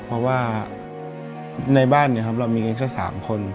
เพราะว่าในบ้านเรามีกันแค่๓คน